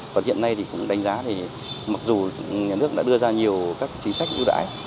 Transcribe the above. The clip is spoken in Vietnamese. còn hiện nay thì cũng đánh giá thì mặc dù nhà nước đã đưa ra nhiều các chính sách ưu đãi